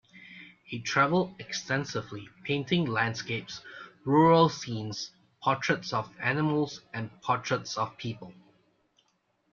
He traveled extensively painting landscapes, rural scenes, portraits of animals, and portraits of people.